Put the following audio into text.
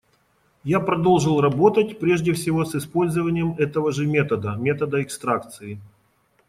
Я продолжил работать, прежде всего, с использованием этого же метода — метода экстракции.